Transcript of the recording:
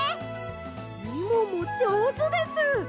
みももじょうずです！